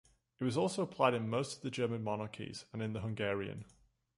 It was also applied in most of the German monarchies and in the Hungarian.